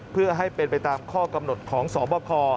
เพื่อให้เป็นไปตามข้อกำหนดของสบค